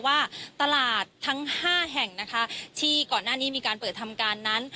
ว่าตลาดทั้ง๕แห่งนะคะที่ก่อนหน้านี้มีการเปิดทำการนั้น